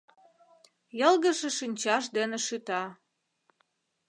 Йылгыжше шинчаж дене шӱта.